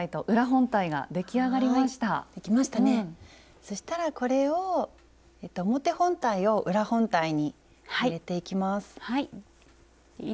そしたらこれを表本体を裏本体に入れていきます。